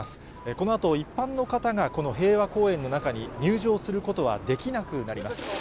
このあと、一般の方がこの平和公園の中に入場することはできなくなります。